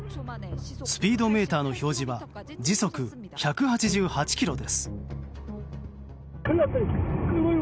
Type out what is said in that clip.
スピードメーターの表示は時速１８８キロです。